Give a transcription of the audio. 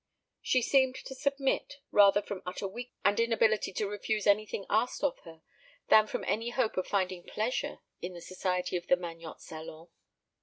She seemed to submit rather from utter weakness and inability to refuse anything asked of her than from any hope of finding pleasure in the society of the Magnotte salon.